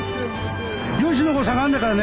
ヨシの方下がんだからね。